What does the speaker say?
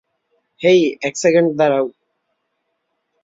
হেই, এক সেকেন্ড দাঁড়াও!